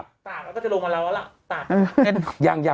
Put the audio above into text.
กรมป้องกันแล้วก็บรรเทาสาธารณภัยนะคะ